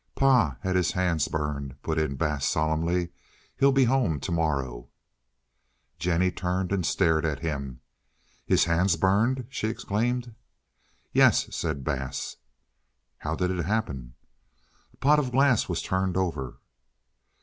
"Pa's had his hands burned," put in Bass solemnly. "He'll be home to morrow." Jennie turned and stared at him. "His hands burned!" she exclaimed. "Yes," said Bass. "How did it happen?" "A pot of glass was turned over."